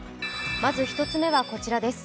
まず一つ目はこちらです。